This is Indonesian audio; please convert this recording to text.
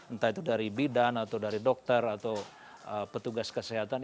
entah itu dari bidan atau dari dokter atau petugas kesehatan